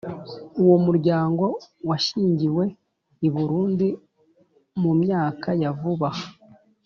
uwo muryango washingiwe i burundi mu myaka ya vuba aha,